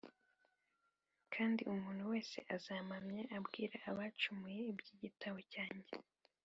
kandi umuntu wese uzampamya abwira abacumuye iby’igitambo cyanjye,